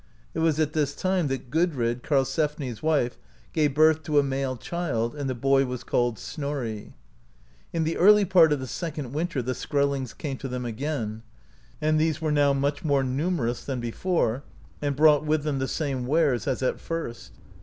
It was at this time that Gudrid, Karlsefni's wife, gave birth to a male child, and the boy was called Snorri. In the early part of the second winter the Skrellings came to them again, and these were now much more numerous than before, and brought with them the same wares as at first.